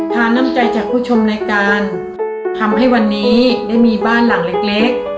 น้ำใจจากผู้ชมรายการทำให้วันนี้ได้มีบ้านหลังเล็ก